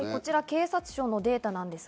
警察庁のデータです。